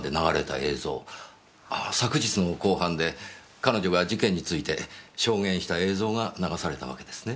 あ昨日の公判で彼女が事件について証言した映像が流されたわけですね？